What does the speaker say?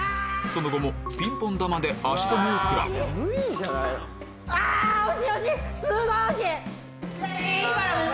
その後もピンポン球で足止めを食らうあ惜しい惜しい！